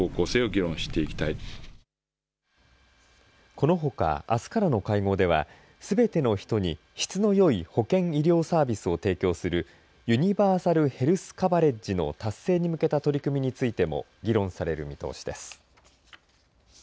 このほか、あすからの会合ではすべての人に質のよい保健・医療サービスを提供するユニバーサル・ヘルス・カバレッジの達成に向けた取り組みについても議論される見通しです。